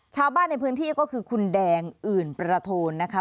ชาวบ้านในพื้นที่ก็คือคุณแดงอื่นประโทนนะคะ